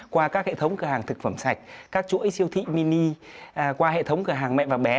qua các hệ thống cửa hàng thực phẩm sạch các chuỗi siêu thị mini qua hệ thống cửa hàng mẹ và bé